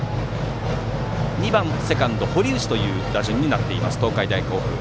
２番セカンド、堀内という打順になった東海大甲府。